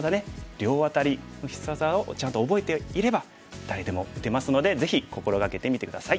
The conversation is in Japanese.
両アタリの必殺技をちゃんと覚えていれば誰でも打てますのでぜひ心掛けてみて下さい。